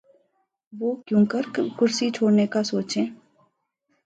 وہ کیونکر کرسی چھوڑنے کا سوچیں؟